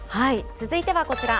続いてはこちら。